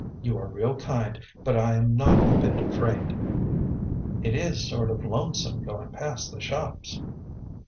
"You are real kind, but I am not a bit afraid." "It is sort of lonesome going past the shops."